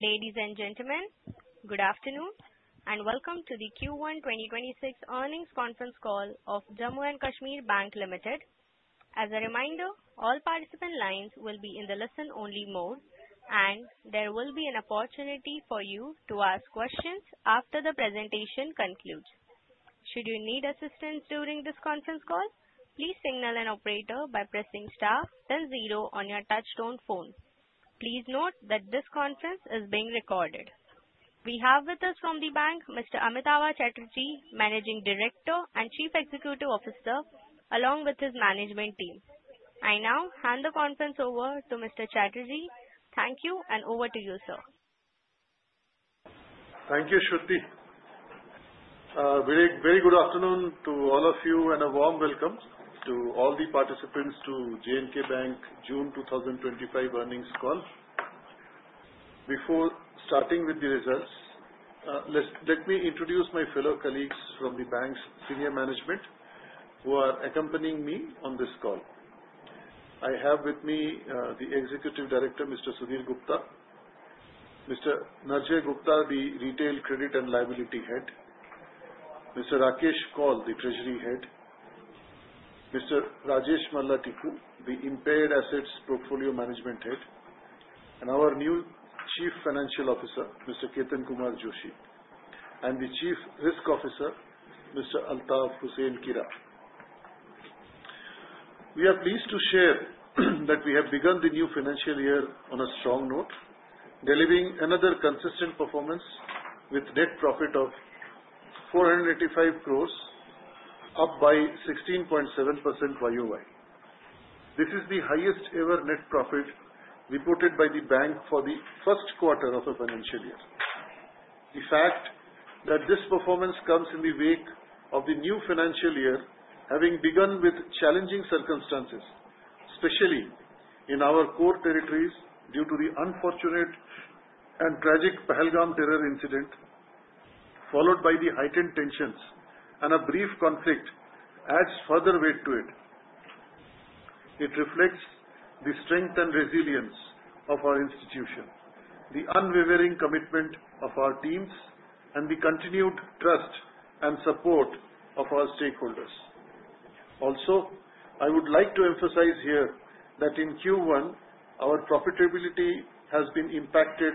Ladies and gentlemen, good afternoon and welcome to the Q1 2026 earnings conference call of Jammu and Kashmir Bank Limited. As a reminder, all participant lines will be in the listen-only mode, and there will be an opportunity for you to ask questions after the presentation concludes. Should you need assistance during this conference call, please signal an operator by pressing STAR, then zero on your touch-tone phone. Please note that this conference is being recorded. We have with us from the bank, Mr. Amitava Chatterjee, Managing Director and Chief Executive Officer, along with his management team. I now hand the conference over to Mr. Chatterjee. Thank you, and over to you, sir. Thank you, Shruti. Very good afternoon to all of you, and a warm welcome to all the participants to J&K Bank's June 2025 earnings call. Before starting with the results, let me introduce my fellow colleagues from the bank's senior management who are accompanying me on this call. I have with me the Executive Director, Mr. Sudhir Gupta, Mr. Narjay Gupta, the Retail Credit and Liability Head, Mr. Rakesh Kaul, the Treasury Head, Mr. Rajesh Malla Tikku, the Impaired Assets Portfolio Management Head, and our new Chief Financial Officer, Mr. Ketan Kumar Joshi, and the Chief Risk Officer, Mr. Altaf Hussain Kira. We are pleased to share that we have begun the new financial year on a strong note, delivering another consistent performance with net profit of 485 crores, up by 16.7% YOY. This is the highest-ever net profit reported by the bank for the first quarter of the financial year. The fact that this performance comes in the wake of the new financial year having begun with challenging circumstances, especially in our core territories due to the unfortunate and tragic Pahalgam terror incident, followed by the heightened tensions and a brief conflict, adds further weight to it. It reflects the strength and resilience of our institution, the unwavering commitment of our teams, and the continued trust and support of our stakeholders. Also, I would like to emphasize here that in Q1, our profitability has been impacted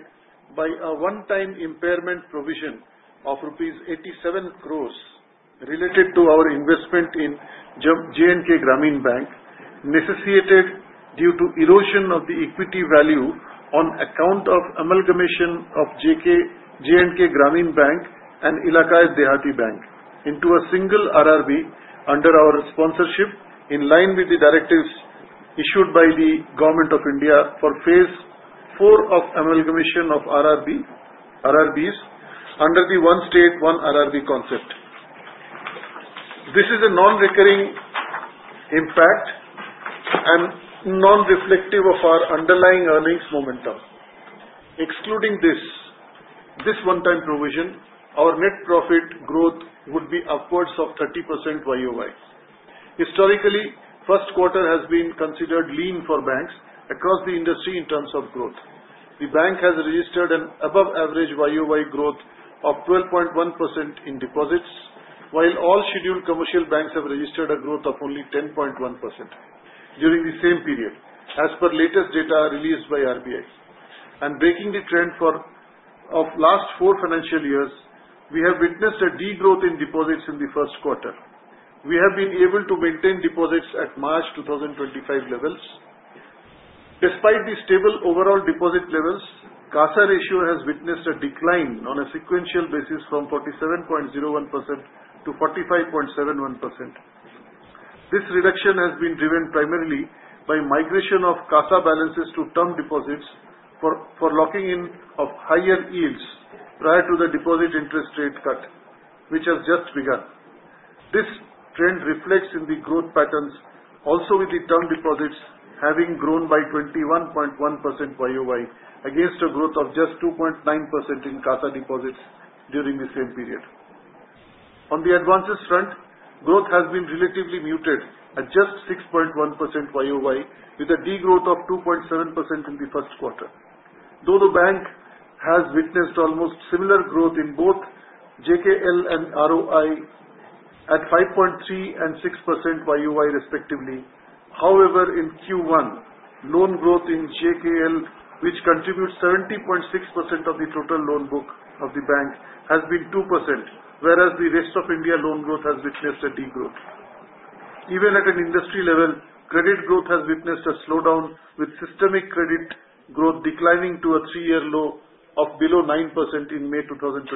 by a one-time impairment provision of rupees 87 crores related to our investment in J&K Grameen Bank, necessitated due to erosion of the equity value on account of amalgamation of J&K Grameen Bank and Ellaquai Dehati Bank into a single RRB under our sponsorship, in line with the directives issued by the Government of India for Phase IV of amalgamation of RRBs under the One State One RRB concept. This is a non-recurring impact and non-reflective of our underlying earnings momentum. Excluding this one-time provision, our net profit growth would be upwards of 30% YOY. Historically, the first quarter has been considered lean for banks across the industry in terms of growth. The bank has registered an above-average YOY growth of 12.1% in deposits, while all scheduled commercial banks have registered a growth of only 10.1% during the same period, as per latest data released by RBI. Breaking the trend of the last four financial years, we have witnessed a degrowth in deposits in the first quarter. We have been able to maintain deposits at March 2025 levels. Despite the stable overall deposit levels, the CASA ratio has witnessed a decline on a sequential basis from 47.01% to 45.71%. This reduction has been driven primarily by the migration of CASA balances to term deposits for locking in higher yields prior to the deposit interest rate cut, which has just begun. This trend reflects in the growth patterns, also with the term deposits having grown by 21.1% YOY against a growth of just 2.9% in CASA deposits during the same period. On the advances front, growth has been relatively muted at just 6.1% YOY, with a degrowth of 2.7% in the first quarter. Though the bank has witnessed almost similar growth in both JKL and ROI at 5.3% and 6% YOY respectively, however, in Q1, loan growth in JKL, which contributes 70.6% of the total loan book of the bank, has been 2%, whereas the rest of India's loan growth has witnessed a degrowth. Even at an industry level, credit growth has witnessed a slowdown, with systemic credit growth declining to a three-year low of below 9% in May 2025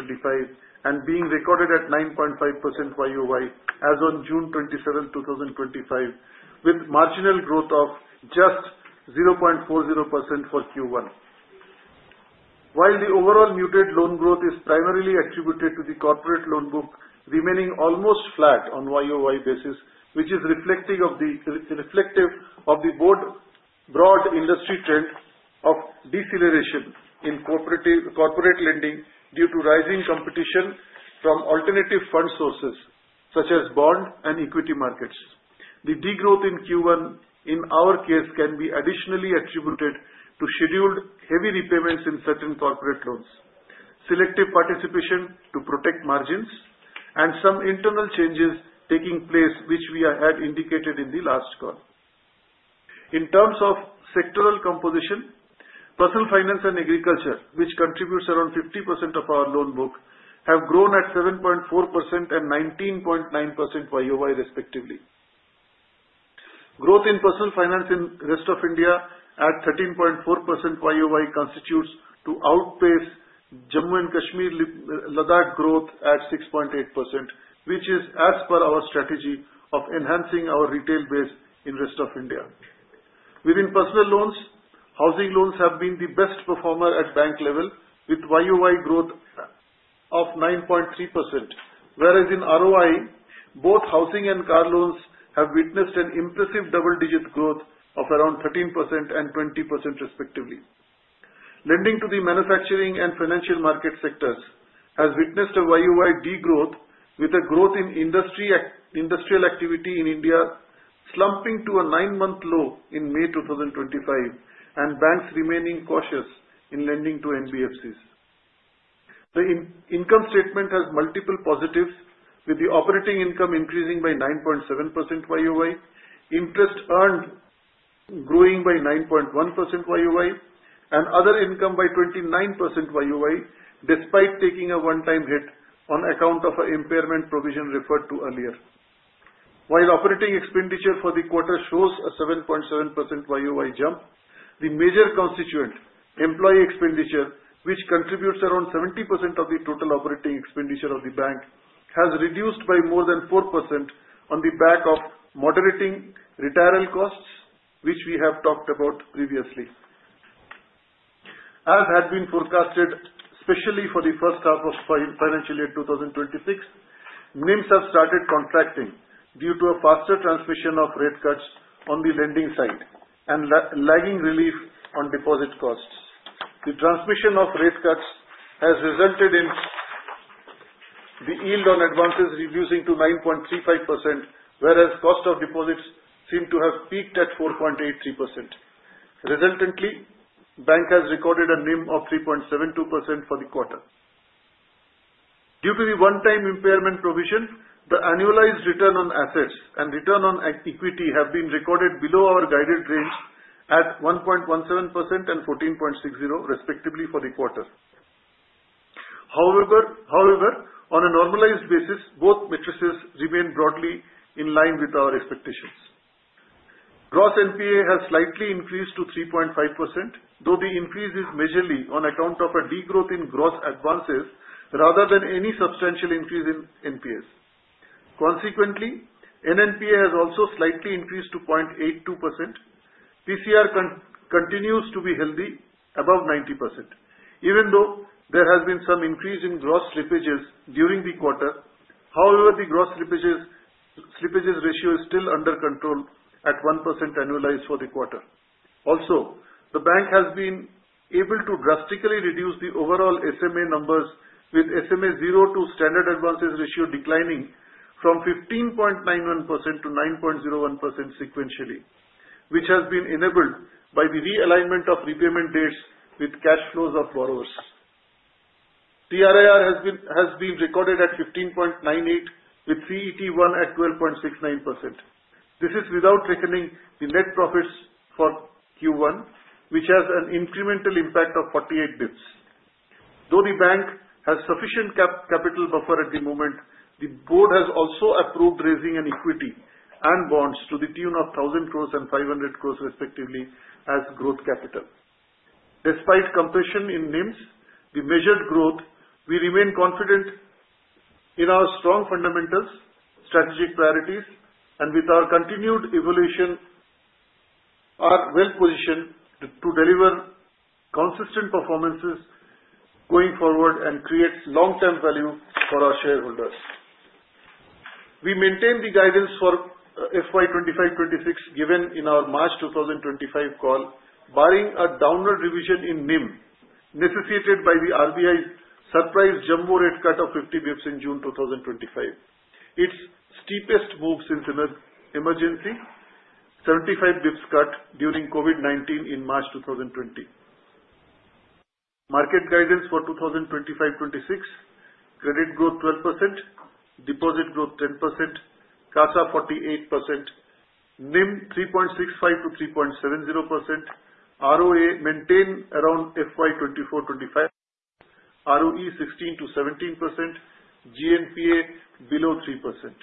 and being recorded at 9.5% YOY as of June 27, 2025, with marginal growth of just 0.40% for Q1. While the overall muted loan growth is primarily attributed to the corporate loan book, remaining almost flat on a YOY basis, which is reflective of the broad industry trend of deceleration in corporate lending due to rising competition from alternative fund sources such as bond and equity markets. The degrowth in Q1, in our case, can be additionally attributed to scheduled heavy repayments in certain corporate loans, selective participation to protect margins, and some internal changes taking place, which we had indicated in the last call. In terms of sectoral composition, personal finance and agriculture, which contributes around 50% of our loan book, have grown at 7.4% and 19.9% YOY respectively. Growth in personal finance in the Rest of India at 13.4% YOY constitutes to outpace Jammu and Kashmir and Ladakh growth at 6.8%, which is, as per our strategy of enhancing our retail base in the Rest of India. Within personal loans, housing loans have been the best performer at bank level, with YOY growth of 9.3%, whereas in ROI, both housing and car loans have witnessed an impressive double-digit growth of around 13% and 20% respectively. Lending to the manufacturing and financial market sectors has witnessed a YOY degrowth, with a growth in industrial activity in India slumping to a nine-month low in May 2025, and banks remaining cautious in lending to NBFCs. The income statement has multiple positives, with the operating income increasing by 9.7% YOY, interest earned growing by 9.1% YOY, and other income by 29% YOY, despite taking a one-time hit on account of an impairment provision referred to earlier. While operating expenditure for the quarter shows a 7.7% YOY jump, the major constituent, employee expenditure, which contributes around 70% of the total operating expenditure of the bank, has reduced by more than 4% on the back of moderating retirement costs, which we have talked about previously. As had been forecasted, especially for the first half of financial year 2026, NIMs have started contracting due to a faster transmission of rate cuts on the lending side and lagging relief on deposit costs. The transmission of rate cuts has resulted in the yield on advances reducing to 9.35%, whereas the cost of deposits seemed to have peaked at 4.83%. Resultantly, the bank has recorded a NIM of 3.72% for the quarter. Due to the one-time impairment provision, the annualized return on assets and return on equity have been recorded below our guided range at 1.17% and 14.60%, respectively, for the quarter. However, on a normalized basis, both metrics remain broadly in line with our expectations. Gross NPA has slightly increased to 3.5%, though the increase is majorly on account of a degrowth in gross advances rather than any substantial increase in NPAs. Consequently, Net NPA has also slightly increased to 0.82%. PCR continues to be healthy, above 90%, even though there has been some increase in gross slippages during the quarter. However, the gross slippages ratio is still under control at 1% annualized for the quarter. Also, the bank has been able to drastically reduce the overall SMA numbers, with SMA zero to standard advances ratio declining from 15.91% to 9.01% sequentially, which has been enabled by the realignment of repayment dates with cash flows of borrowers. TRIR has been recorded at 15.98%, with CET1 at 12.69%. This is without reckoning the net profits for Q1, which has an incremental impact of 48 basis points. Though the bank has sufficient capital buffer at the moment, the board has also approved raising equity and bonds to the tune of 1,000 crores and 500 crores, respectively, as growth capital. Despite compression in NIMs, the measured growth, we remain confident in our strong fundamentals, strategic priorities, and with our continued evolution, are well-positioned to deliver consistent performances going forward and create long-term value for our shareholders. We maintain the guidance for FY 2025-26 given in our March 2025 call, barring a downward revision in NIM necessitated by the RBI's surprise repo rate cut of 50 basis points in June 2025, its steepest move since an emergency, 75 basis points cut during COVID-19 in March 2020. Market guidance for 2025-26: credit growth 12%, deposit growth 10%, CASA 48%, NIM 3.65%-3.70%, ROA maintained around FY 2024-25, ROE 16%-17%, GNPA below 3%.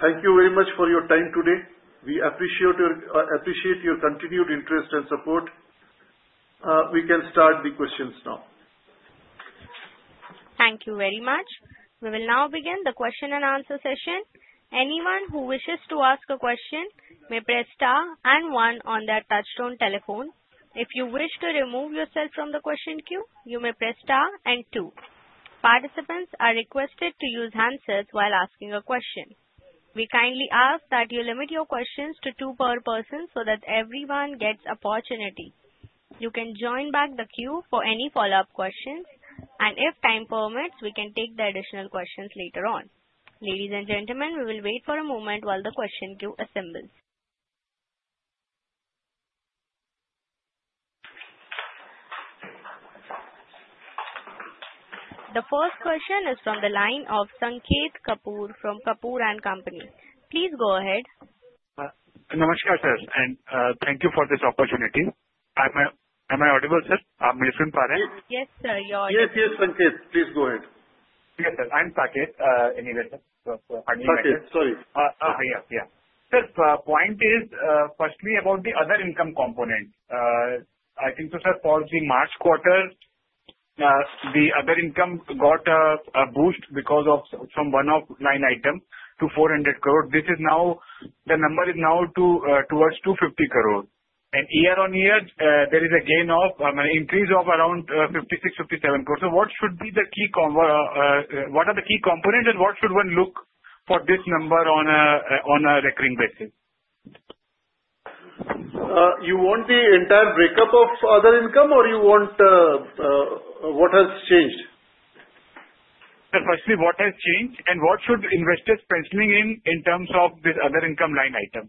Thank you very much for your time today. We appreciate your continued interest and support. We can start the questions now. Thank you very much. We will now begin the question and answer session. Anyone who wishes to ask a question may press star and one on their touch-tone telephone. If you wish to remove yourself from the question queue, you may press star and two. Participants are requested to use handsets while asking a question. We kindly ask that you limit your questions to two per person so that everyone gets an opportunity. You can join back the queue for any follow-up questions, and if time permits, we can take the additional questions later on. Ladies and gentlemen, we will wait for a moment while the question queue assembles. The first question is from the line of Sanket Kapoor from Kapoor & Company. Please go ahead. Namaskar, sir, and thank you for this opportunity. Am I audible, sir? Am I sounding fine? Yes, sir, you're audible. Yes, yes, Sanket, please go ahead. Yes, sir. I'm Sanket anyway, sir. Sanket, sorry. Yeah, yeah. Sir, the point is firstly about the other income component. I think, sir, for the March quarter, the other income got a boost from one-off items to 400 crores. This is now the number towards 250 crores. And year on year, there is a gain of an increase of around 56-57 crores. So what should be the key component, and what should one look for this number on a recurring basis? You want the entire breakup of other income, or you want what has changed? Firstly, what has changed, and what should investors be penciling in in terms of this other income line item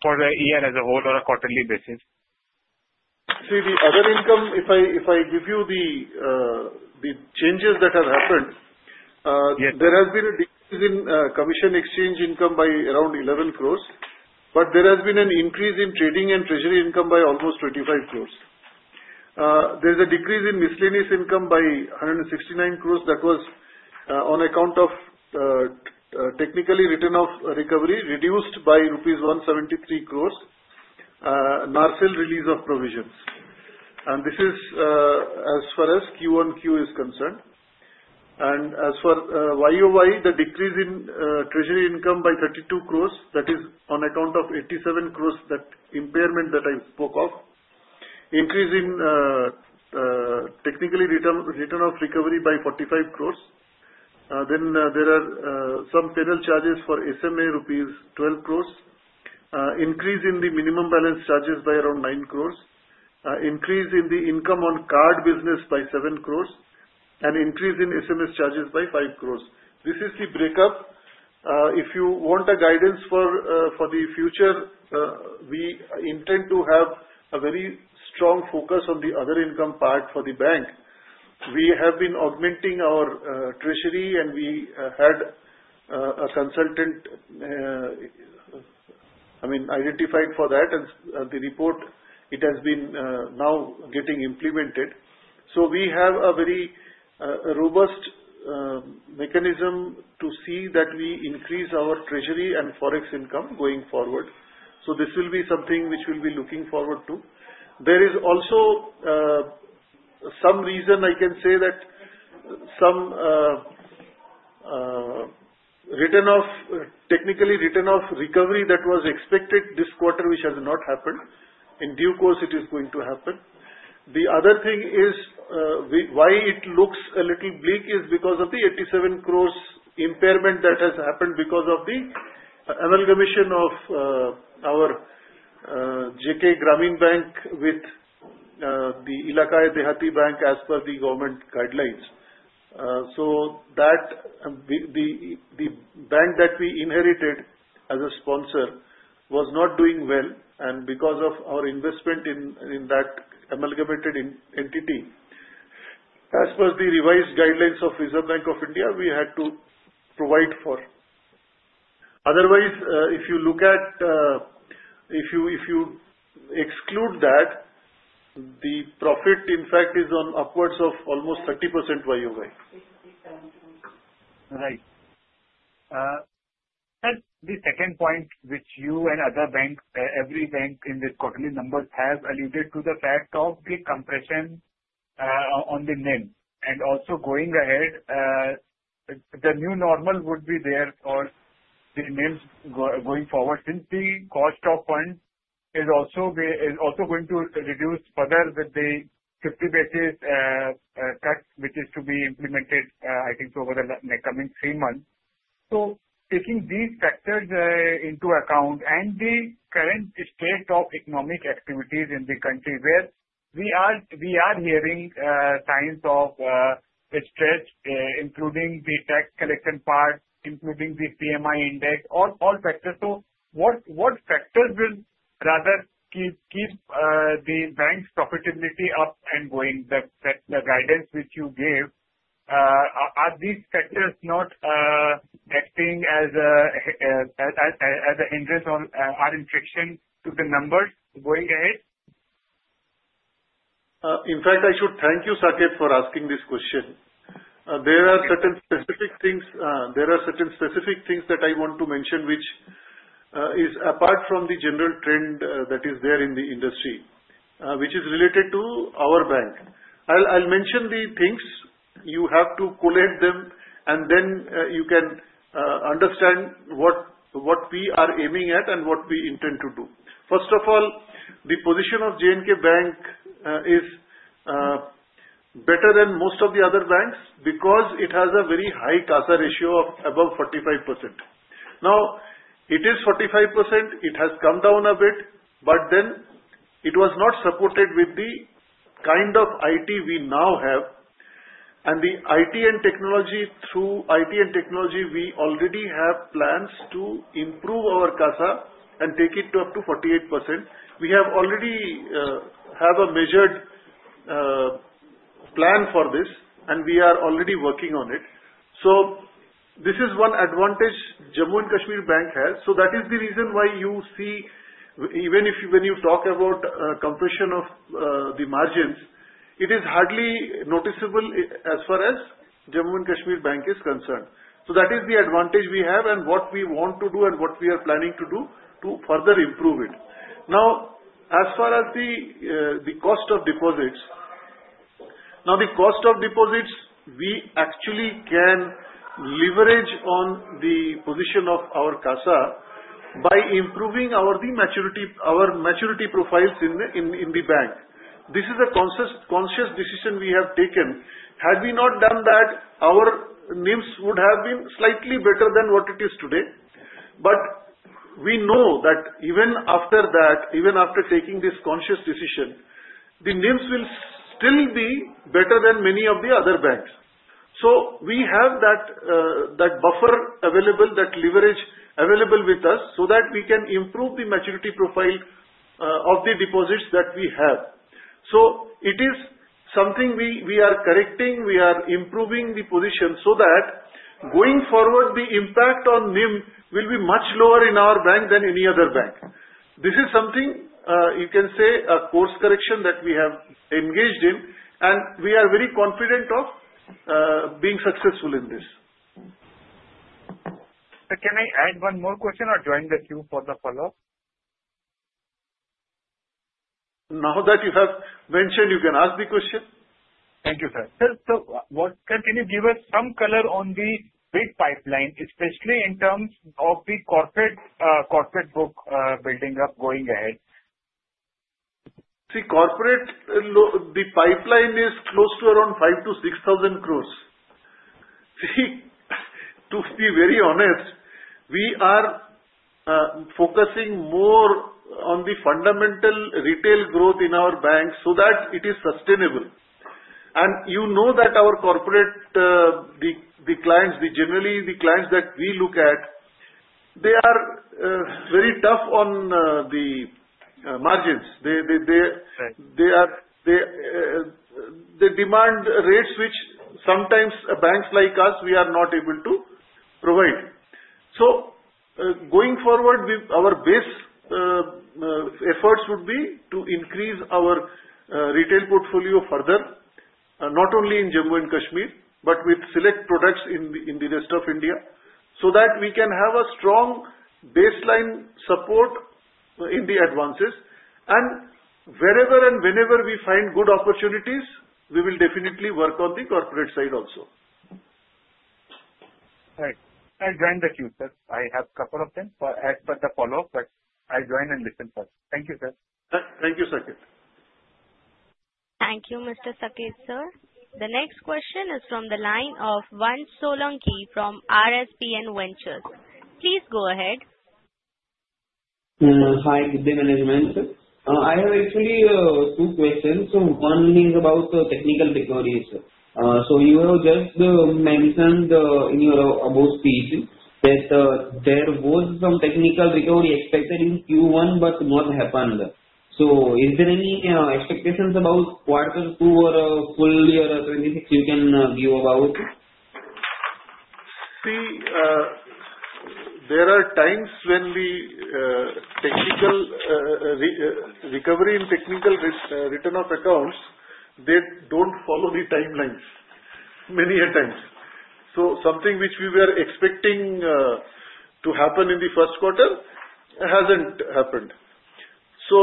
for the year as a whole or a quarterly basis? See, the other income, if I give you the changes that have happened, there has been a decrease in commission exchange income by around 11 crores, but there has been an increase in trading and treasury income by almost 25 crores. There is a decrease in miscellaneous income by 169 crores that was on account of technical write-off recovery reduced by rupees 173 crores and excess release of provisions. And this is as far as Q1 QoQ is concerned. And as for YOY, the decrease in treasury income by 32 crores, that is on account of 87 crores that impairment that I spoke of, increase in technical write-off recovery by 45 crores. Then there are some penal charges for SMA rupees 12 crores, increase in the minimum balance charges by around 9 crores, increase in the income on card business by 7 crores, and increase in SMS charges by 5 crores. This is the breakup. If you want a guidance for the future, we intend to have a very strong focus on the other income part for the bank. We have been augmenting our treasury, and we had a consultant, I mean, identified for that, and the report, it has been now getting implemented. So we have a very robust mechanism to see that we increase our treasury and forex income going forward. So this will be something which we'll be looking forward to. There is also some reason I can say that some technical write-off recovery that was expected this quarter, which has not happened. In due course, it is going to happen. The other thing is why it looks a little bleak is because of the 87 crores impairment that has happened because of the amalgamation of our J&K Grameen Bank with the Ellaquai Dehati Bank as per the government guidelines. So the bank that we inherited as a sponsor was not doing well, and because of our investment in that amalgamated entity, as per the revised guidelines of Reserve Bank of India, we had to provide for. Otherwise, if you look at if you exclude that, the profit, in fact, is on upwards of almost 30% YOY. Right. The second point, which you and other banks, every bank in this quarterly numbers has alluded to the fact of the compression on the NIM and also going ahead, the new normal would be there for the NIMs going forward since the cost of funds is also going to reduce further with the 50 basis points cut, which is to be implemented, I think, over the coming three months. So taking these factors into account and the current state of economic activities in the country where we are hearing signs of stress, including the tax collection part, including the PMI index, all factors. So what factors will rather keep the bank's profitability up and going? The guidance which you gave, are these factors not acting as a hindrance or an affliction to the numbers going ahead? In fact, I should thank you, Sanket, for asking this question. There are certain specific things that I want to mention, which is apart from the general trend that is there in the industry, which is related to our bank. I'll mention the things. You have to collate them, and then you can understand what we are aiming at and what we intend to do. First of all, the position of J&K Bank is better than most of the other banks because it has a very high CASA ratio of above 45%. Now, it is 45%. It has come down a bit, but then it was not supported with the kind of IT we now have. The IT and technology through IT and technology, we already have plans to improve our CASA and take it up to 48%. We already have a measured plan for this, and we are already working on it. So this is one advantage Jammu and Kashmir Bank has. So that is the reason why you see, even when you talk about compression of the margins, it is hardly noticeable as far as Jammu and Kashmir Bank is concerned. So that is the advantage we have and what we want to do and what we are planning to do to further improve it. Now, as far as the cost of deposits, we actually can leverage on the position of our CASA by improving our maturity profiles in the bank. This is a conscious decision we have taken. Had we not done that, our NIMs would have been slightly better than what it is today. But we know that even after that, even after taking this conscious decision, the NIMs will still be better than many of the other banks. So we have that buffer available, that leverage available with us so that we can improve the maturity profile of the deposits that we have. So it is something we are correcting. We are improving the position so that going forward, the impact on NIM will be much lower in our bank than any other bank. This is something you can say a course correction that we have engaged in, and we are very confident of being successful in this. Can I add one more question or join the queue for the follow-up? Now that you have mentioned, you can ask the question. Thank you, sir. Sir, can you give us some color on the big pipeline, especially in terms of the corporate book building up going ahead? See, corporate, the pipeline is close to around five to six thousand crores. See, to be very honest, we are focusing more on the fundamental retail growth in our bank so that it is sustainable. And you know that our corporate, the clients, generally the clients that we look at, they are very tough on the margins. They demand rates which sometimes banks like us, we are not able to provide. So going forward, our base efforts would be to increase our retail portfolio further, not only in Jammu and Kashmir, but with select products in the rest of India so that we can have a strong baseline support in the advances. And wherever and whenever we find good opportunities, we will definitely work on the corporate side also. Right. I'll join the queue, sir. I have a couple of them as per the follow-up, but I'll join and listen first. Thank you, sir. Thank you, Sanket. Thank you, Mr. Sanket, sir. The next question is from the line of Vansh Solanki from RSPN Ventures. Please go ahead. Hi, good day management. I have actually two questions. One is about technical recovery, sir. So you have just mentioned in your above speech that there was some technical recovery expected in Q1, but not happened. So is there any expectations about quarter two or full year 26 you can give about? See, there are times when the technical recovery and technical return of accounts, they don't follow the timelines many a times. So something which we were expecting to happen in the first quarter hasn't happened. So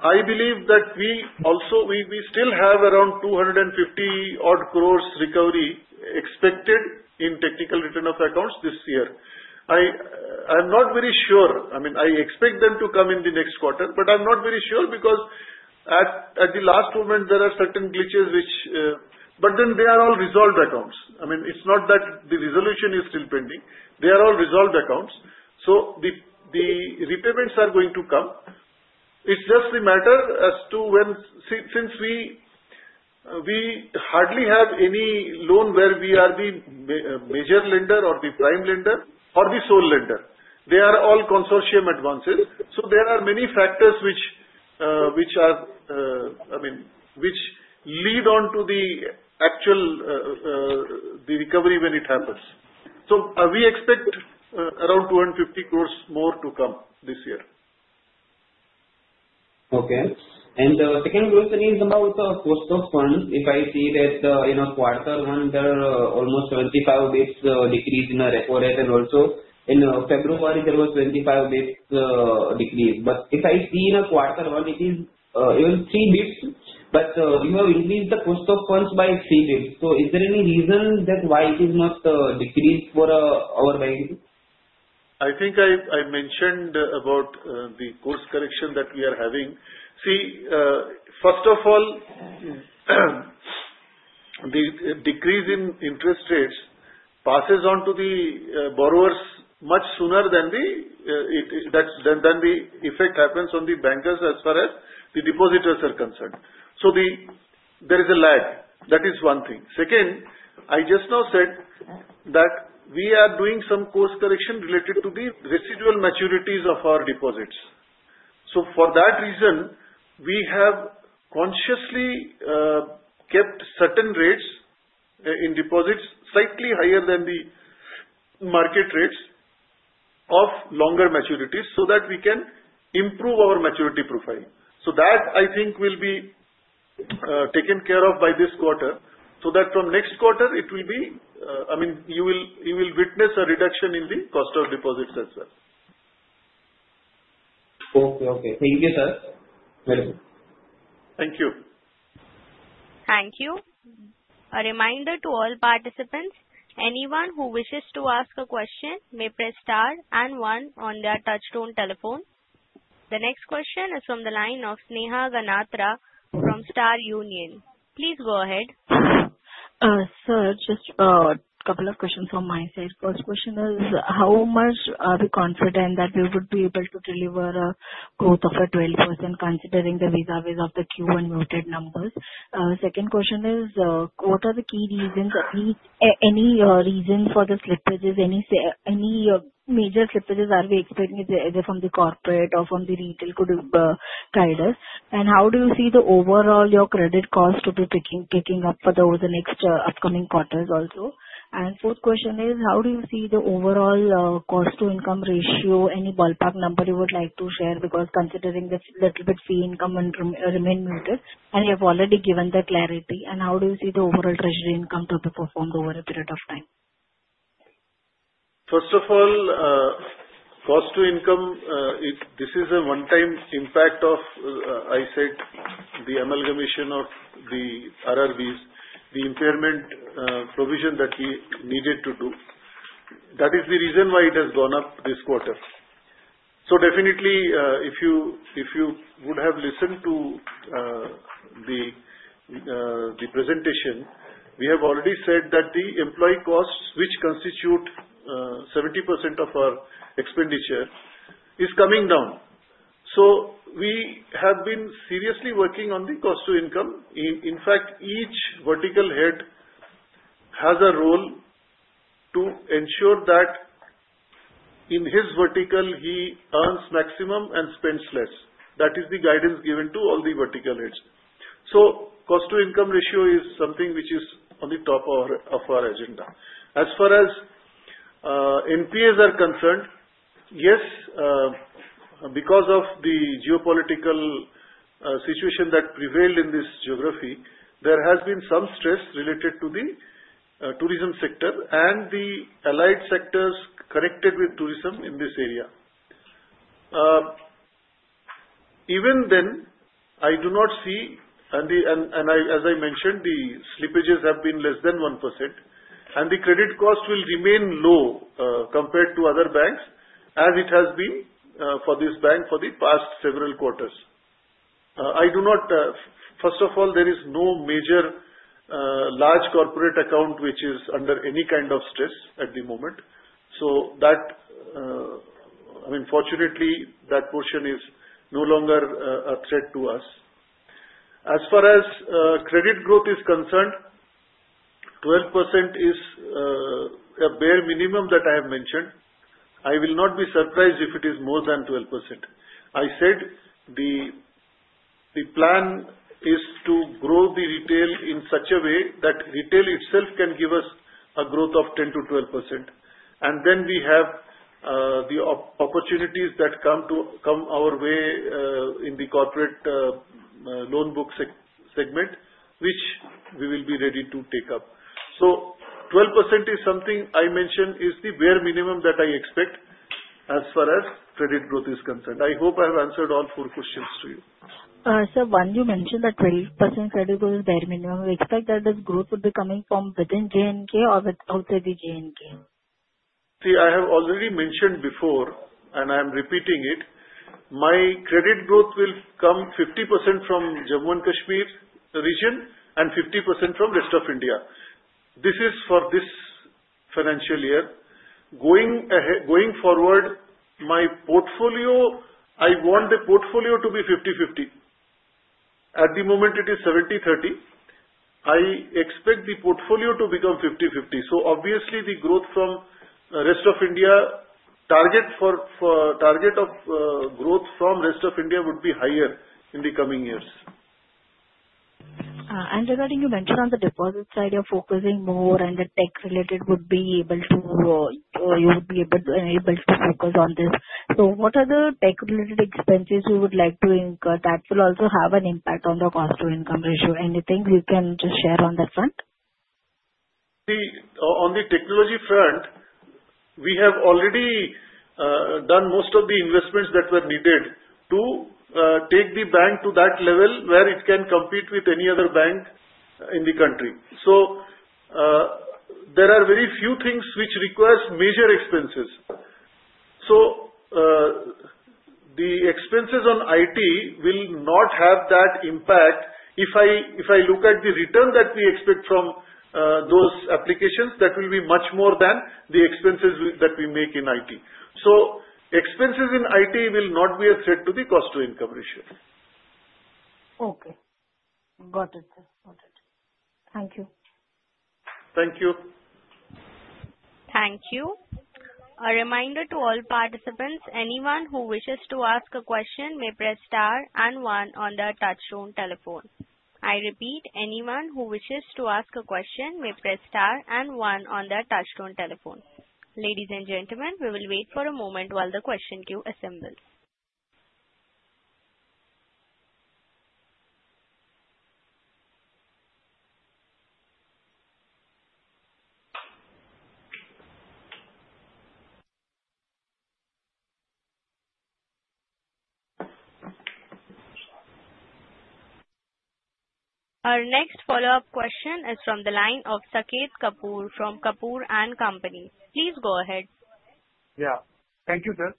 I believe that we also still have around 250-odd crores recovery expected in technical return of accounts this year. I'm not very sure. I mean, I expect them to come in the next quarter, but I'm not very sure because at the last moment, there are certain glitches which, but then they are all resolved accounts. I mean, it's not that the resolution is still pending. They are all resolved accounts. So the repayments are going to come. It's just the matter as to when since we hardly have any loan where we are the major lender or the prime lender or the sole lender. They are all consortium advances. So there are many factors which are, I mean, which lead on to the actual recovery when it happens. So we expect around 2.5 billion more to come this year. Okay. And the second question is about the cost of funds. If I see that in quarter one, there are almost 25 basis points decrease in repo, and also in February, there was 25 basis points decrease. But if I see in quarter one, it is even three basis points, but you have increased the cost of funds by three basis points. So is there any reason why it is not decreased for our bank? I think I mentioned about the course correction that we are having. See, first of all, the decrease in interest rates passes on to the borrowers much sooner than the effect happens on the bankers as far as the depositors are concerned. So there is a lag. That is one thing. Second, I just now said that we are doing some course correction related to the residual maturities of our deposits. So for that reason, we have consciously kept certain rates in deposits slightly higher than the market rates of longer maturities so that we can improve our maturity profile. So that, I think, will be taken care of by this quarter so that from next quarter, it will be, I mean, you will witness a reduction in the cost of deposits as well. Okay, okay. Thank you, sir. Thank you. Thank you. A reminder to all participants, anyone who wishes to ask a question may press star and one on their touch-tone telephone. The next question is from the line of Sneha Ganatra from Star Union. Please go ahead. Sir, just a couple of questions from my side. First question is, how much are we confident that we would be able to deliver a growth of 12% considering the vis-à-vis of the Q1 muted numbers? Second question is, what are the key reasons, any reasons for the slippages, any major slippages are we expecting either from the corporate or from the retail? Could guide us? And how do you see the overall credit cost to be picking up for the next upcoming quarters also? And fourth question is, how do you see the overall cost-to-income ratio, any ballpark number you would like to share because considering the little bit fee income and remain muted, and you have already given the clarity, and how do you see the overall treasury income to be performed over a period of time? First of all, cost-to-income, this is a one-time impact of, I said, the amalgamation of the RRBs, the impairment provision that we needed to do. That is the reason why it has gone up this quarter. So definitely, if you would have listened to the presentation, we have already said that the employee costs, which constitute 70% of our expenditure, is coming down. So we have been seriously working on the cost-to-income. In fact, each vertical head has a role to ensure that in his vertical, he earns maximum and spends less. That is the guidance given to all the vertical heads. So cost-to-income ratio is something which is on the top of our agenda. As far as NPAs are concerned, yes, because of the geopolitical situation that prevailed in this geography, there has been some stress related to the tourism sector and the allied sectors connected with tourism in this area. Even then, I do not see, and as I mentioned, the slippages have been less than 1%, and the credit cost will remain low compared to other banks as it has been for this bank for the past several quarters. I do not, first of all, there is no major large corporate account which is under any kind of stress at the moment. So that, I mean, fortunately, that portion is no longer a threat to us. As far as credit growth is concerned, 12% is a bare minimum that I have mentioned. I will not be surprised if it is more than 12%. I said the plan is to grow the retail in such a way that retail itself can give us a growth of 10%-12%. We have the opportunities that come our way in the corporate loan book segment, which we will be ready to take up. 12% is something I mentioned is the bare minimum that I expect as far as credit growth is concerned. I hope I have answered all four questions to you. Sir, once you mentioned that 12% credit growth is bare minimum, we expect that this growth would be coming from within J&K or outside the J&K? See, I have already mentioned before, and I am repeating it, my credit growth will come 50% from Jammu and Kashmir region and 50% from rest of India. This is for this financial year. Going forward, my portfolio, I want the portfolio to be 50-50. At the moment, it is 70-30. I expect the portfolio to become 50-50. Obviously, the growth from Rest of India target of growth from Rest of India would be higher in the coming years. Regarding you mentioned on the deposit side, you are focusing more on the tech-related would be able to, you would be able to focus on this. What are the tech-related expenses you would like to incur that will also have an impact on the cost-to-income ratio? Anything you can just share on that front? See, on the technology front, we have already done most of the investments that were needed to take the bank to that level where it can compete with any other bank in the country. There are very few things which require major expenses. The expenses on IT will not have that impact. If I look at the return that we expect from those applications, that will be much more than the expenses that we make in IT. So expenses in IT will not be a threat to the cost-to-income ratio. Okay. Got it. Got it. Thank you. Thank you. Thank you. A reminder to all participants, anyone who wishes to ask a question may press star and one on the touch-tone telephone. I repeat, anyone who wishes to ask a question may press star and one on the touch-tone telephone. Ladies and gentlemen, we will wait for a moment while the question queue assembles. Our next follow-up question is from the line of Sanket Kapoor from Kapoor & Company. Please go ahead. Yeah. Thank you, sir.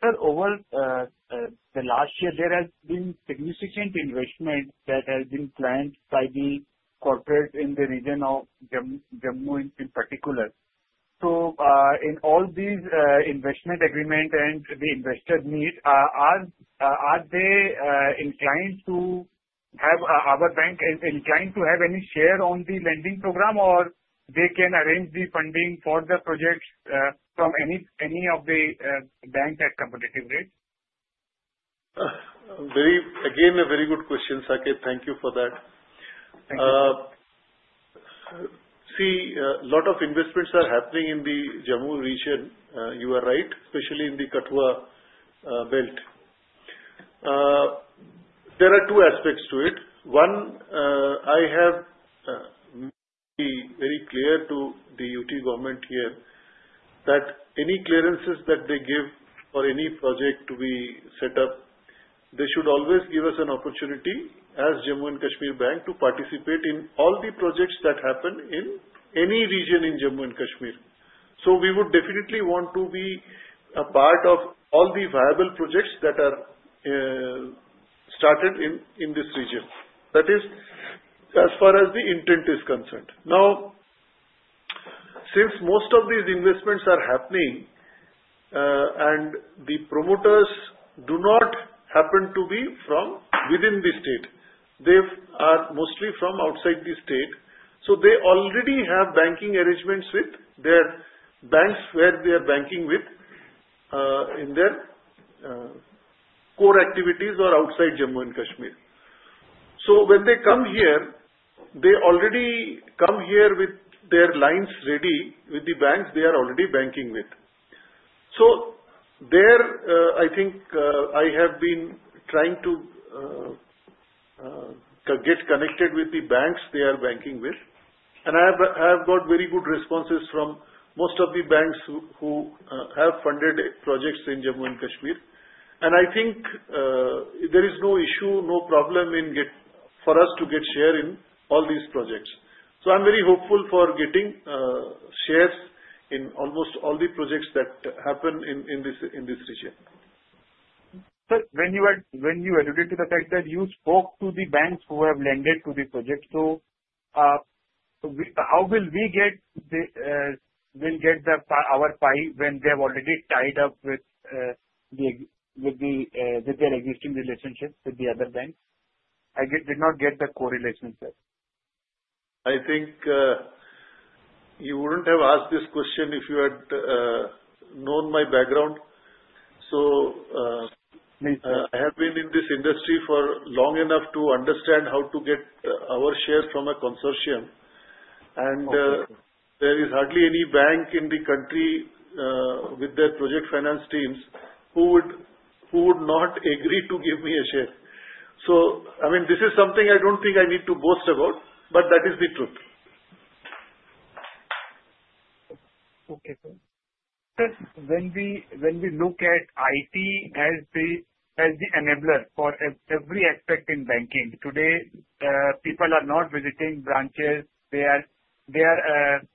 Sir, over the last year, there has been significant investment that has been planned by the corporate in the region of Jammu and Kashmir in particular. So in all these investment agreements and the investor need, are they inclined to have our bank inclined to have any share on the lending program, or they can arrange the funding for the projects from any of the banks at competitive rates? Again, a very good question, Sanket. Thank you for that. See, a lot of investments are happening in the Jammu region. You are right, especially in the Kathua belt. There are two aspects to it. One, I have made very clear to the UT government here that any clearances that they give for any project to be set up, they should always give us an opportunity as Jammu and Kashmir Bank to participate in all the projects that happen in any region in Jammu and Kashmir. So we would definitely want to be a part of all the viable projects that are started in this region. That is as far as the intent is concerned. Now, since most of these investments are happening and the promoters do not happen to be from within the state, they are mostly from outside the state. So they already have banking arrangements with their banks where they are banking with in their core activities or outside Jammu and Kashmir. So when they come here, they already come here with their lines ready with the banks they are already banking with. So there, I think I have been trying to get connected with the banks they are banking with. And I have got very good responses from most of the banks who have funded projects in Jammu and Kashmir. I think there is no issue, no problem for us to get share in all these projects. So I'm very hopeful for getting shares in almost all the projects that happen in this region. Sir, when you alluded to the fact that you spoke to the banks who have lent to the project, so how will we get our pie when they have already tied up with their existing relationship with the other banks? I did not get the correlation there. I think you wouldn't have asked this question if you had known my background. So I have been in this industry for long enough to understand how to get our shares from a consortium. And there is hardly any bank in the country with their project finance teams who would not agree to give me a share. So, I mean, this is something I don't think I need to boast about, but that is the truth. Okay, sir. Sir, when we look at IT as the enabler for every aspect in banking, today, people are not visiting branches. They are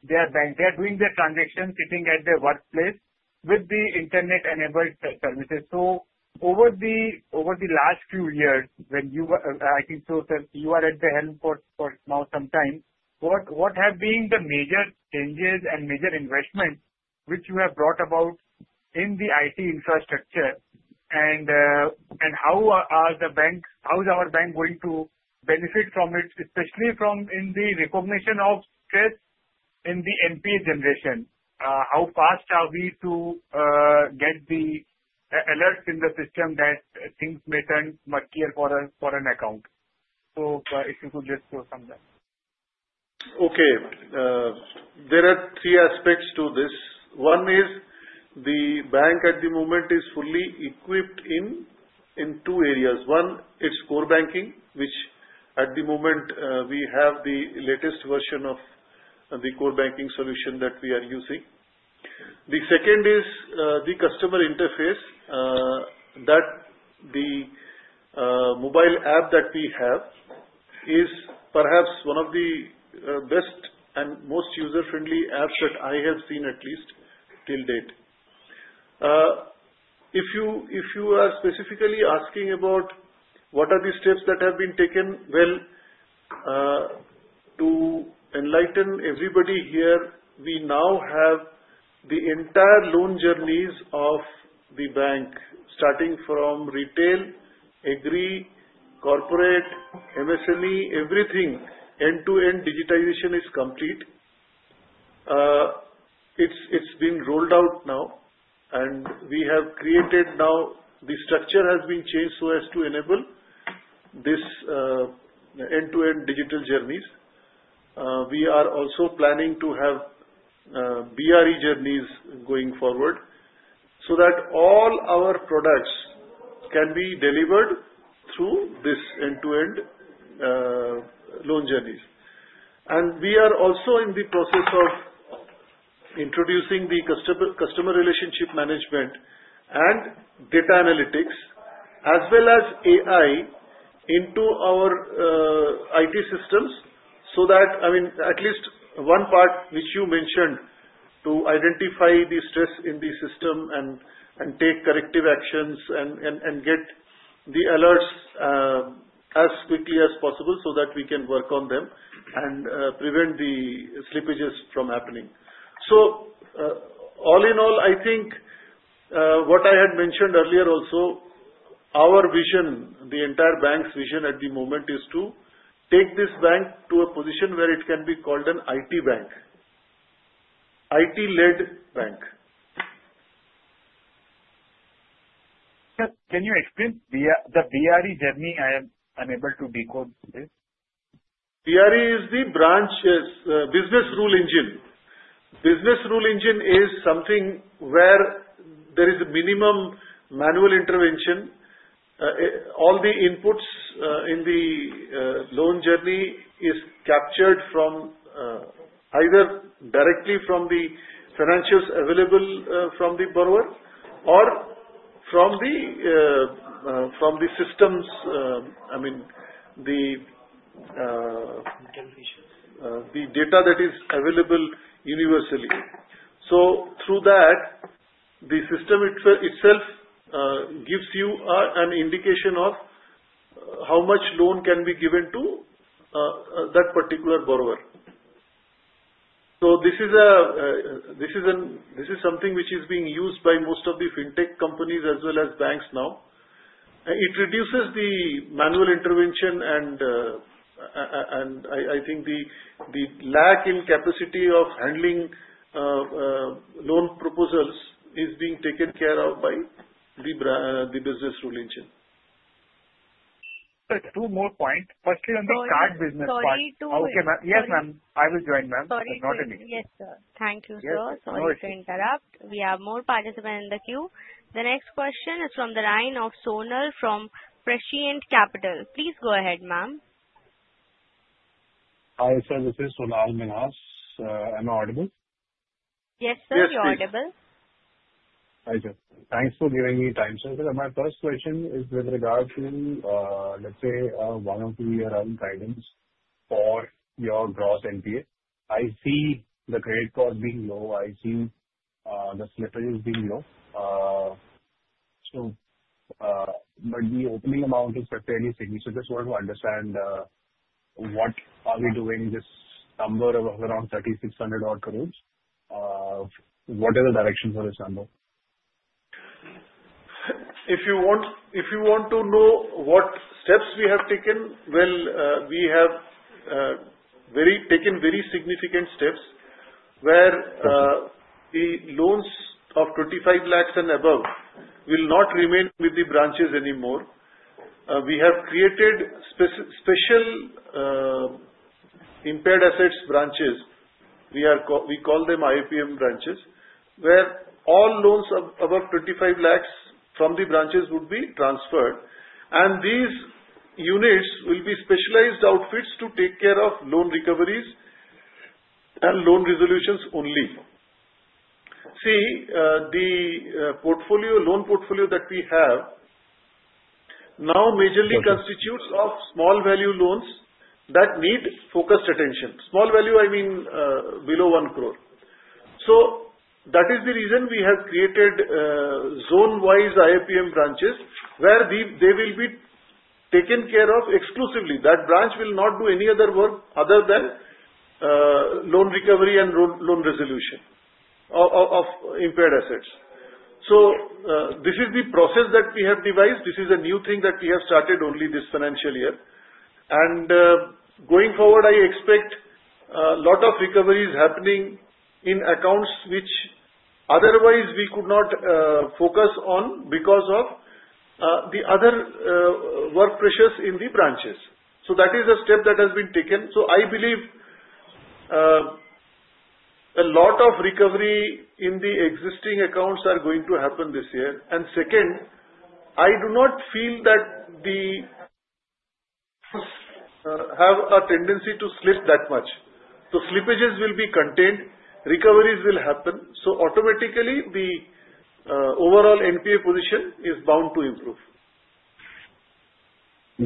doing their transactions sitting at their workplace with the internet-enabled services. So over the last few years, when you were, I think, so, sir, you are at the helm for now some time. What have been the major changes and major investments which you have brought about in the IT infrastructure? And how is our bank going to benefit from it, especially in the recognition of stress in the NPA generation? How fast are we to get the alerts in the system that things may turn murkier for an account? So if you could just go from there. Okay. There are three aspects to this. One is the bank at the moment is fully equipped in two areas. One, it's core banking, which at the moment we have the latest version of the core banking solution that we are using. The second is the customer interface that the mobile app that we have is perhaps one of the best and most user-friendly apps that I have seen at least till date. If you are specifically asking about what are the steps that have been taken, well, to enlighten everybody here, we now have the entire loan journeys of the bank, starting from retail, agri, corporate, MSME, everything. End-to-end digitization is complete. It's been rolled out now, and we have created now the structure has been changed so as to enable this end-to-end digital journeys. We are also planning to have BRE journeys going forward so that all our products can be delivered through this end-to-end loan journeys, and we are also in the process of introducing the customer relationship management and data analytics, as well as AI into our IT systems so that, I mean, at least one part which you mentioned to identify the stress in the system and take corrective actions and get the alerts as quickly as possible so that we can work on them and prevent the slippages from happening, so all in all, I think what I had mentioned earlier also, our vision, the entire bank's vision at the moment is to take this bank to a position where it can be called an IT bank, IT-led bank. Can you explain the BRE journey? I am unable to decode this. BRE is the business rule engine. Business Rule Engine is something where there is a minimum manual intervention. All the inputs in the loan journey are captured from either directly from the financials available from the borrower or from the systems, I mean, the data that is available universally. So through that, the system itself gives you an indication of how much loan can be given to that particular borrower. So this is something which is being used by most of the fintech companies as well as banks now. It reduces the manual intervention, and I think the lack in capacity of handling loan proposals is being taken care of by the Business Rule Engine. Sir, two more points. Firstly, on the card business part. Sorry, two more. Okay. Yes, ma'am. I will join, ma'am. Sorry. Not anymore. Yes, sir. Thank you, sir. Sorry to interrupt. We have more participants in the queue. The next question is from the line of Sonal from Prescient Capital. Please go ahead, ma'am. Hi, sir. This is Sonal Minhas. Am I audible? Yes, sir. You're audible. Hi, sir. Thanks for giving me time, sir. My first question is with regard to, let's say, one- or two-year-old guidance for your gross NPA. I see the credit cost being low. I see the slippages being low. But the opening amount is fairly significant. Just want to understand what are we doing this number of around 3,600-odd crores? What is the direction for this number? If you want to know what steps we have taken, well, we have taken very significant steps where the loans of 25 lakhs and above will not remain with the branches anymore. We have created special impaired assets branches. We call them IAPM branches, where all loans above 25 lakhs from the branches would be transferred. And these units will be specialized outfits to take care of loan recoveries and loan resolutions only. See, the loan portfolio that we have now majorly constitutes of small-value loans that need focused attention. Small-value, I mean, below one crore. So that is the reason we have created zone-wise IAPM branches where they will be taken care of exclusively. That branch will not do any other work other than loan recovery and loan resolution of impaired assets. So this is the process that we have devised. This is a new thing that we have started only this financial year. And going forward, I expect a lot of recoveries happening in accounts which otherwise we could not focus on because of the other work pressures in the branches. So that is a step that has been taken. So I believe a lot of recovery in the existing accounts are going to happen this year. And second, I do not feel that we have a tendency to slip that much. So slippages will be contained. Recoveries will happen. So automatically, the overall NPA position is bound to improve.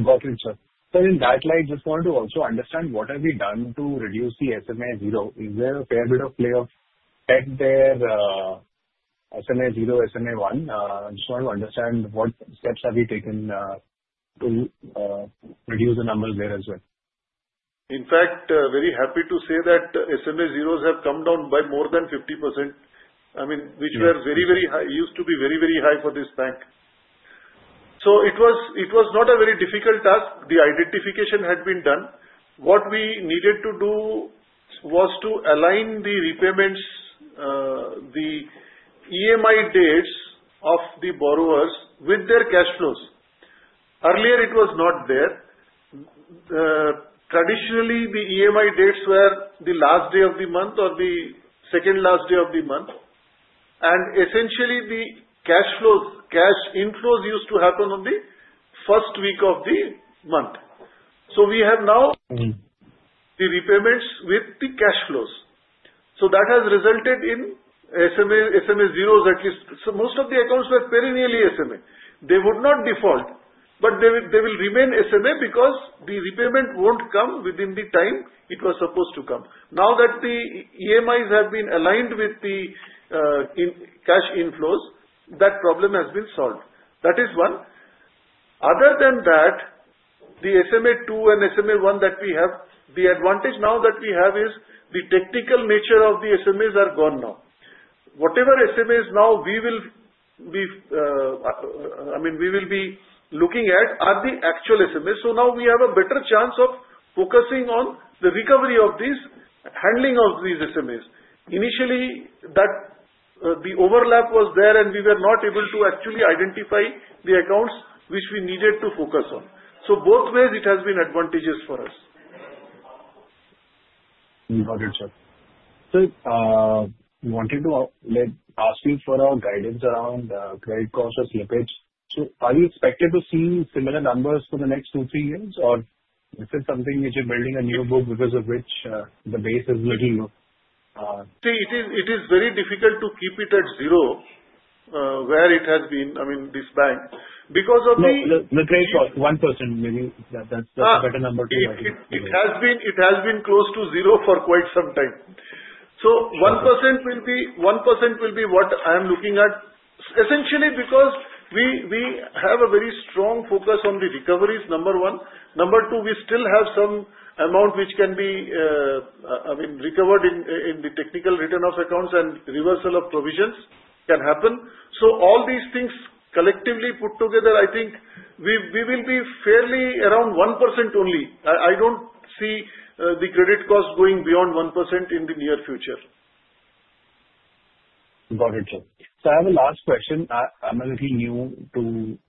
Got it, sir. Sir, in that light, just wanted to also understand what have we done to reduce the SMA 0? Is there a fair bit of play of set their SMA 0, SMA 1? Just want to understand what steps have you taken to reduce the numbers there as well. In fact, very happy to say that SMA 0s have come down by more than 50%, I mean, which were very, very high. It used to be very, very high for this bank. So it was not a very difficult task. The identification had been done. What we needed to do was to align the repayments, the EMI dates of the borrowers with their cash flows. Earlier, it was not there. Traditionally, the EMI dates were the last day of the month or the second last day of the month. And essentially, the cash inflows used to happen on the first week of the month. So we have now the repayments with the cash flows. So that has resulted in SMA 0s at least. So most of the accounts were perennially SMA. They would not default, but they will remain SMA because the repayment won't come within the time it was supposed to come. Now that the EMIs have been aligned with the cash inflows, that problem has been solved. That is one. Other than that, the SMA 2 and SMA 1 that we have, the advantage now that we have is the technical nature of the SMAs are gone now. Whatever SMAs now we will be, I mean, we will be looking at are the actual SMAs. So now we have a better chance of focusing on the recovery of these handling of these SMAs. Initially, the overlap was there, and we were not able to actually identify the accounts which we needed to focus on. So both ways, it has been advantageous for us. Got it, sir. Sir, we wanted to ask you for our guidance around credit cost or slippage. So are you expected to see similar numbers for the next two, three years, or is it something which you're building a new book because of which the base is a little low? See, it is very difficult to keep it at zero where it has been, I mean, this bank, because of the credit cost, 1% maybe. That's a better number to write it. It has been close to zero for quite some time. So 1% will be what I am looking at, essentially, because we have a very strong focus on the recoveries, number one. Number two, we still have some amount which can be, I mean, recovered in the technical write-off accounts and reversal of provisions can happen. So all these things collectively put together, I think we will be fairly around 1% only. I don't see the credit cost going beyond 1% in the near future. Got it, sir. So I have a last question. I'm a little new to,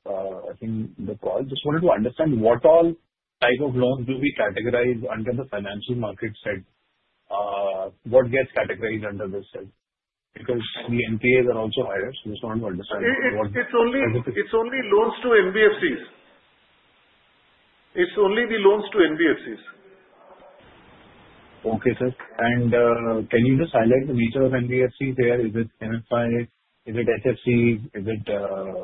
I think, the call. Just wanted to understand what all type of loans do we categorize under the financial markets? What gets categorized under this? Because the NPAs are also higher, so just wanted to understand what. It's only loans to NBFCs. It's only the loans to NBFCs. Okay, sir. And can you just highlight the nature of NBFCs here? Is it MFI? Is it HFC? Is it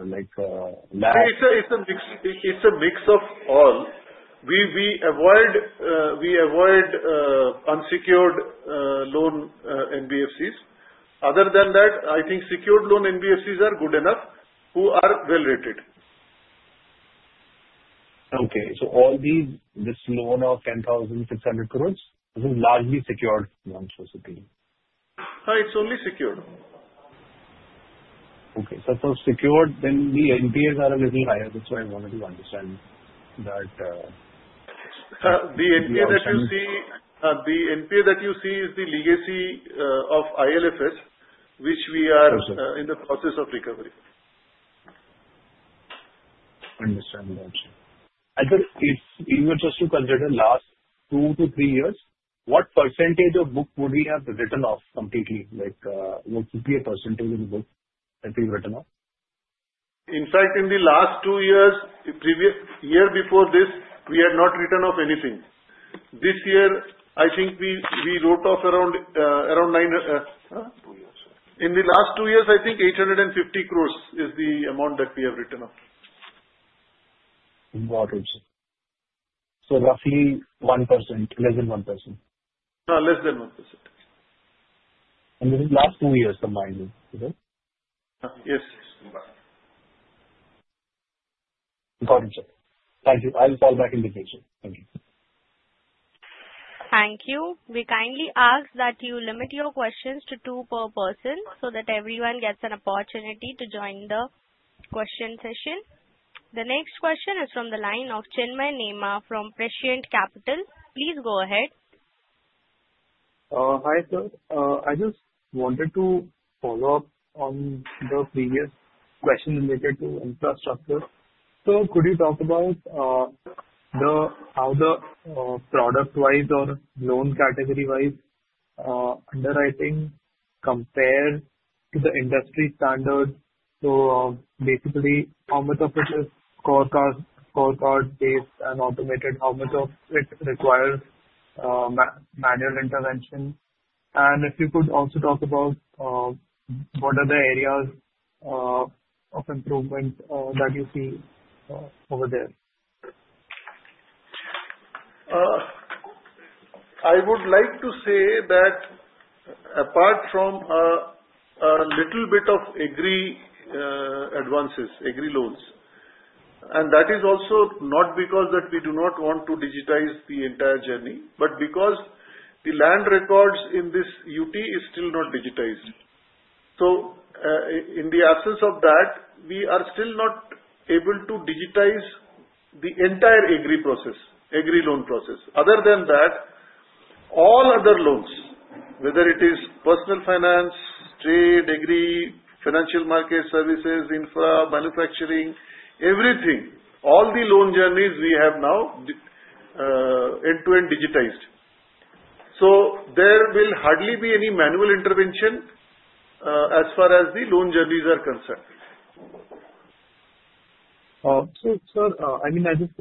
like? It's a mix of all. We avoid unsecured loan NBFCs. Other than that, I think secured loan NBFCs are good enough. Who are well rated. Okay. So all these. This loan of 10,600 crores, this is largely secured loans, basically. It's only secured. Okay. So for secured, then the NPAs are a little higher. That's why I wanted to understand that. The NPA that you see, the NPA that you see is the legacy of IL&FS, which we are in the process of recovery. Understandable, sir. If you were just to consider the last two to three years, what percentage of book would we have written off completely? What would be a percentage of the book that we've written off? In fact, in the last two years, the year before this, we had not written off anything. This year, I think we wrote off around two years. In the last two years, I think 850 crores is the amount that we have written off. Got it, sir. So roughly 1%, less than 1%. Less than 1%. And this is last two years, combined, right? Yes. Got it, sir. Thank you. I'll call back in the future. Thank you. Thank you. We kindly ask that you limit your questions to two per person so that everyone gets an opportunity to join the question session. The next question is from the line of Chinmay Neema from Prescient Capital. Please go ahead. Hi, sir. I just wanted to follow up on the previous question related to infrastructure, so could you talk about how the product-wise or loan category-wise underwriting compares to the industry standard? So basically, how much of it is scorecard-based and automated? How much of it requires manual intervention? And if you could also talk about what are the areas of improvement that you see over there? I would like to say that apart from a little bit of agri advances, agri loans, and that is also not because that we do not want to digitize the entire journey, but because the land records in this UT is still not digitized. So in the absence of that, we are still not able to digitize the entire agri process, agri loan process. Other than that, all other loans, whether it is personal finance, trade, AGRI, financial market services, infra, manufacturing, everything, all the loan journeys we have now end-to-end digitized. So there will hardly be any manual intervention as far as the loan journeys are concerned. Okay, sir. I mean, I just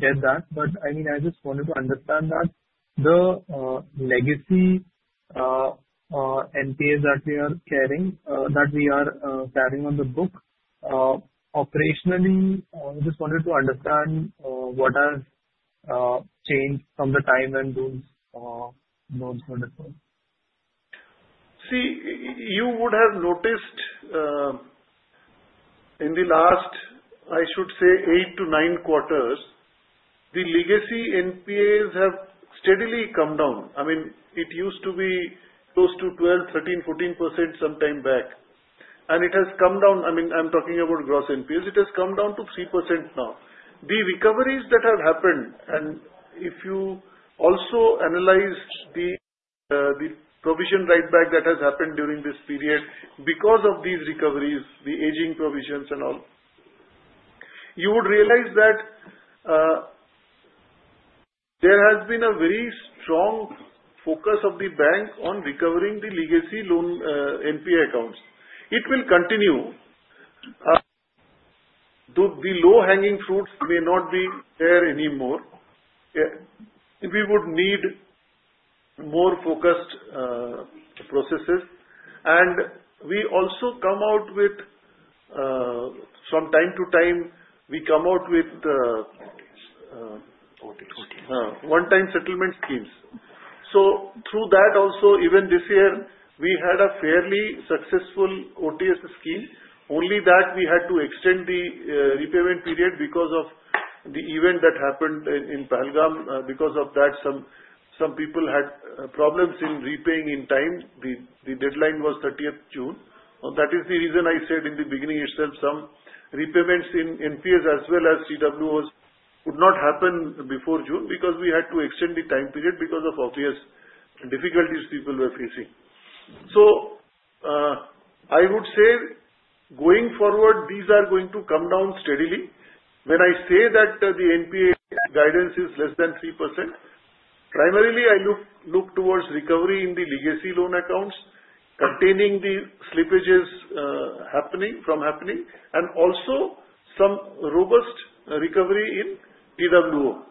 get that. But I mean, I just wanted to understand that the legacy NPAs that we are carrying, that we are carrying on the book, operationally, I just wanted to understand what has changed from the time when those loans were deployed. See, you would have noticed in the last, I should say, eight to nine quarters, the legacy NPAs have steadily come down. I mean, it used to be close to 12%, 13%, 14% sometime back, and it has come down. I mean, I'm talking about gross NPAs. It has come down to 3% now. The recoveries that have happened, and if you also analyze the provision write-back that has happened during this period because of these recoveries, the aging provisions and all, you would realize that there has been a very strong focus of the bank on recovering the legacy loan NPA accounts. It will continue. The low-hanging fruits may not be there anymore. We would need more focused processes. And we also come out with, from time to time, one-time settlement schemes. So through that also, even this year, we had a fairly successful OTS scheme. Only that we had to extend the repayment period because of the event that happened in Pahalgam. Because of that, some people had problems in repaying in time. The deadline was 30th June. That is the reason I said in the beginning itself, some repayments in NPAs as well as CWOs would not happen before June because we had to extend the time period because of obvious difficulties people were facing. So I would say going forward, these are going to come down steadily. When I say that the NPA guidance is less than 3%, primarily, I look towards recovery in the legacy loan accounts containing the slippages from happening and also some robust recovery in TWO.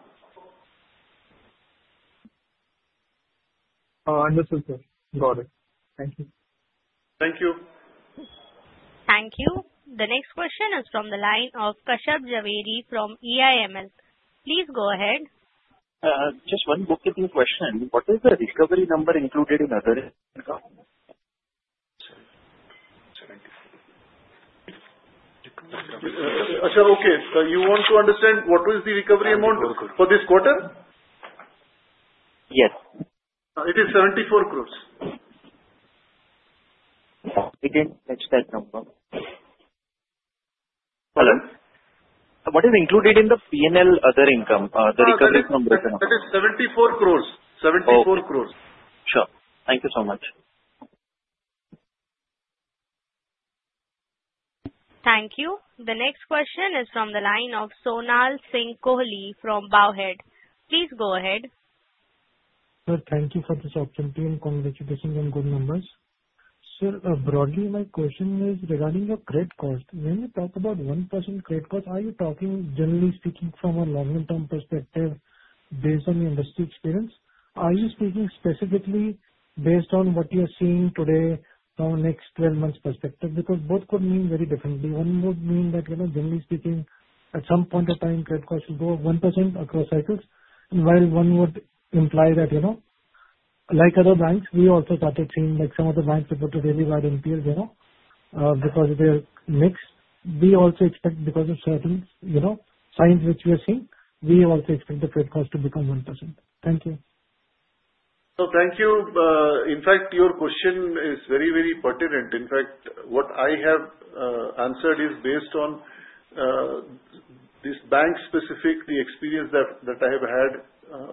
Understood, sir. Got it. Thank you. Thank you. Thank you. The next question is from the line of Kashyap Javeri from EIML. Please go ahead. Just one bookkeeping question. What is the recovery number included in other accounts? Okay. So you want to understand what is the recovery amount for this quarter? Yes. It is 74 crores. Okay. What is included in the P&L other income, the recovery from this account? That is 74 crores. 74 crores. Sure. Thank you so much. Thank you. The next question is from the line of Sonal Singh Kohli from Bowhead. Please go ahead. Sir, thank you for this opportunity. Congratulations on good numbers. Sir, broadly, my question is regarding your credit cost. When you talk about 1% credit cost, are you talking, generally speaking, from a longer-term perspective based on the industry experience? Are you speaking specifically based on what you are seeing today from a next 12 months' perspective? Because both could mean very differently. One would mean that, generally speaking, at some point in time, credit cost will go up 1% across cycles, while one would imply that, like other banks, we also started seeing some of the banks reported really bad NPAs because they're mixed. We also expect, because of certain signs which we are seeing, we also expect the credit cost to become 1%. Thank you. So thank you. In fact, your question is very, very pertinent. In fact, what I have answered is based on this bank-specific, the experience that I have had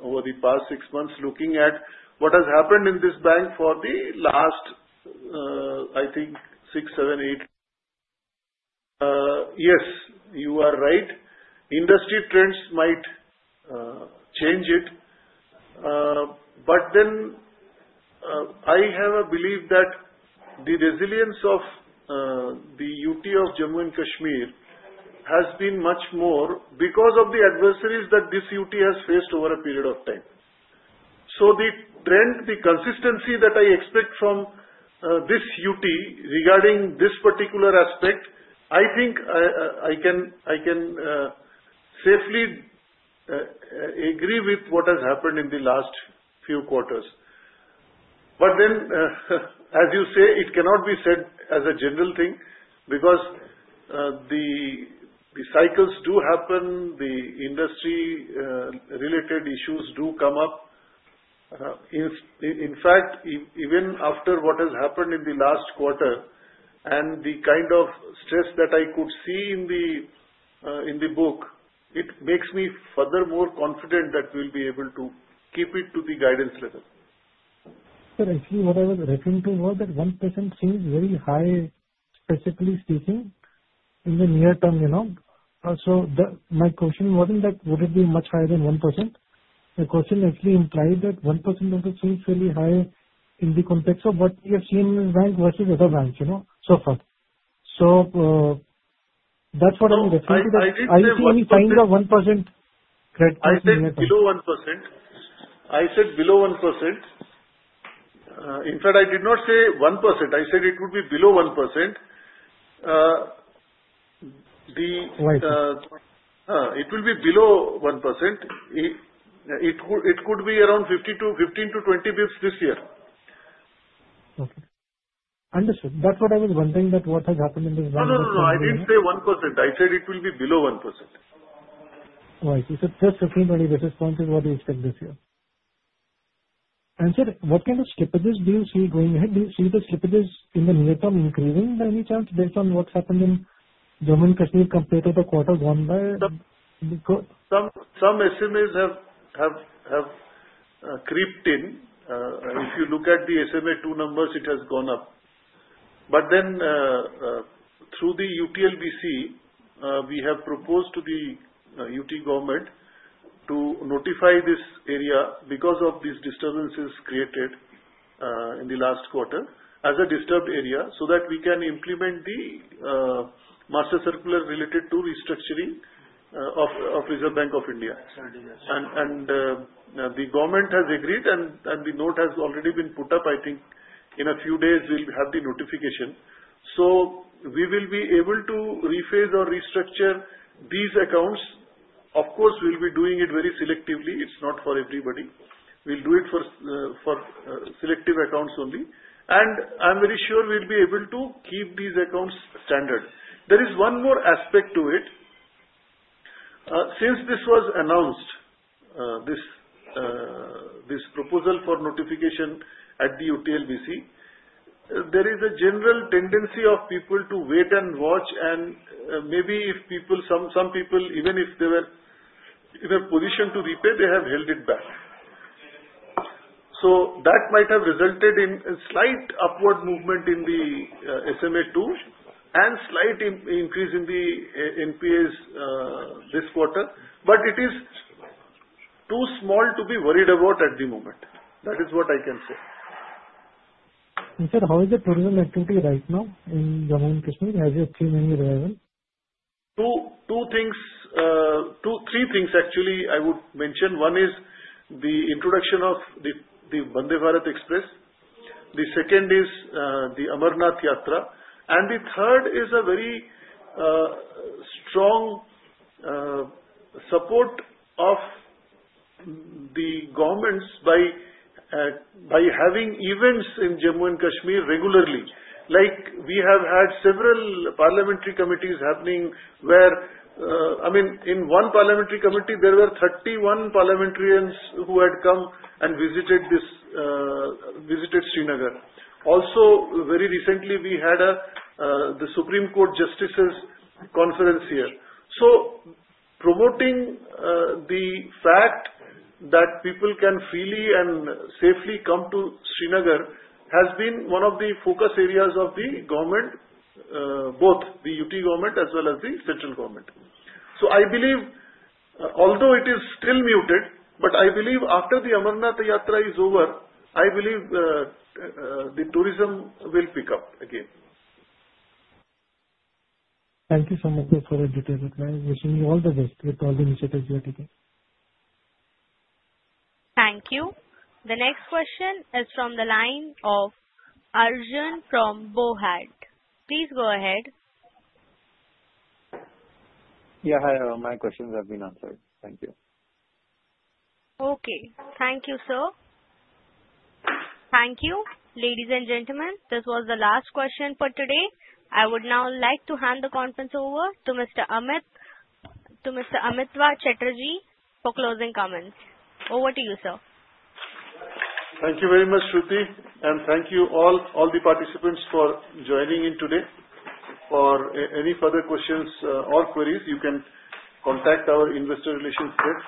over the past six months looking at what has happened in this bank for the last, I think, six, seven, eight. Yes, you are right. Industry trends might change it. But then I have a belief that the resilience of the UT of Jammu and Kashmir has been much more because of the adversities that this UT has faced over a period of time. So the trend, the consistency that I expect from this UT regarding this particular aspect, I think I can safely agree with what has happened in the last few quarters. But then, as you say, it cannot be said as a general thing because the cycles do happen, the industry-related issues do come up. In fact, even after what has happened in the last quarter and the kind of stress that I could see in the book, it makes me furthermore confident that we'll be able to keep it to the guidance level. Sir, actually, what I was referring to was that 1% seems very high, specifically speaking, in the near term. So my question wasn't that would it be much higher than 1%. The question actually implied that 1% doesn't seem fairly high in the context of what we have seen in this bank versus other banks so far. So that's what I'm referring to. I see any signs of 1% credit cost. I said below 1%. I said below 1%. In fact, I did not say 1%. I said it would be below 1%. Right. It will be below 1%. It could be around 15 to 20 basis points this year. Okay. Understood. That's what I was wondering, that what has happened in this bank. No, no, no, no. I didn't say 1%. I said it will be below 1%. Right. You said just 15, 20 basis points is what you expect this year. And sir, what kind of slippages do you see going ahead? Do you see the slippages in the near term increasing by any chance based on what's happened in Jammu and Kashmir compared to the quarters gone by? Some SMAs have crept in. If you look at the SMA 2 numbers, it has gone up. But then through the UTLBC, we have proposed to the UT government to notify this area because of these disturbances created in the last quarter as a disturbed area so that we can implement the master circular related to restructuring of Reserve Bank of India. And the government has agreed, and the note has already been put up. I think in a few days, we'll have the notification. So we will be able to rephase or restructure these accounts. Of course, we'll be doing it very selectively. It's not for everybody. We'll do it for selective accounts only. And I'm very sure we'll be able to keep these accounts standard. There is one more aspect to it. Since this was announced, this proposal for notification at the UTLBC, there is a general tendency of people to wait and watch. Maybe if some people, even if they were in a position to repay, they have held it back. So that might have resulted in a slight upward movement in the SMA 2 and slight increase in the NPAs this quarter. But it is too small to be worried about at the moment. That is what I can say. In fact, how is the tourism activity right now in Jammu and Kashmir? Has it seen any revival? Two things. Three things, actually, I would mention. One is the introduction of the Vande Bharat Express. The second is the Amarnath Yatra. And the third is a very strong support of the governments by having events in Jammu and Kashmir regularly. Like we have had several parliamentary committees happening where, I mean, in one parliamentary committee, there were 31 parliamentarians who had come and visited Srinagar. Also, very recently, we had the Supreme Court justices' conference here. So promoting the fact that people can freely and safely come to Srinagar has been one of the focus areas of the government, both the UT government as well as the central government. So I believe, although it is still muted, but I believe after the Amarnath Yatra is over, I believe the tourism will pick up again. Thank you so much for your detailed reply. Wishing you all the best with all the initiatives you are taking. Thank you. The next question is from the line of Arjun from Bowhead. Please go ahead. Yeah. My questions have been answered. Thank you. Okay. Thank you, sir. Thank you. Ladies and gentlemen, this was the last question for today. I would now like to hand the conference over to Mr. Amitava Chatterjee for closing comments. Over to you, sir. Thank you very much, Shruti. And thank you all, all the participants for joining in today. For any further questions or queries, you can contact our investor relations desk.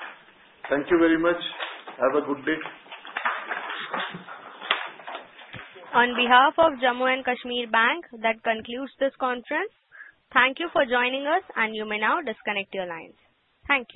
Thank you very much. Have a good day. On behalf of Jammu and Kashmir Bank, that concludes this conference. Thank you for joining us, and you may now disconnect your lines. Thank you.